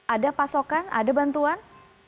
ada pasokan ada bantuan